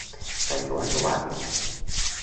Sant Joan o barres?